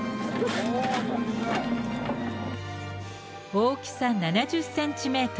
大きさ７０センチメートル。